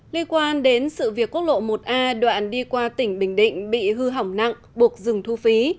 liên quan đến sự việc quốc lộ một a đoạn đi qua tỉnh bình định bị hư hỏng nặng buộc dừng thu phí